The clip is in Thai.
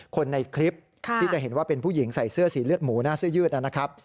คนในคลิปที่จะเห็นว่าเป็นผู้หญิงใส่เสื้อสีเลือดหมูหน้าเสื้อยืดนะครับ